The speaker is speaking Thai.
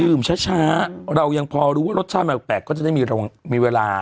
ช้าเรายังพอรู้ว่ารสชาติมันแปลกก็จะได้มีเวลา